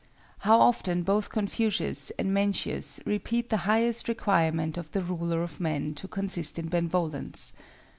How often both Confucius and Mencius repeat the highest requirement of a ruler of men to consist in benevolence.